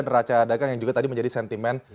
neraca dagang yang juga tadi menjadi sentimen